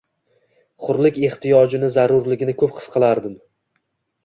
Hurlik ehtiyoji zarurligini ko‘p his qilardim.